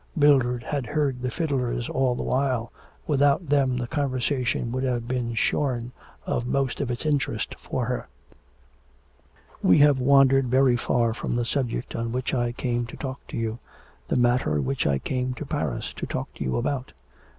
Mildred had heard the fiddlers all the while, without them the conversation would have been shorn of most of its interest for her. 'We have wandered very far from the subject on which I came to talk to you the matter which I came to Paris to talk to you about.'